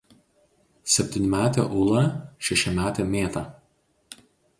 septynmetė Ula šešiametė Mėta